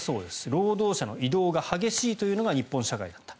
労働者の移動が激しいというのが日本社会だった。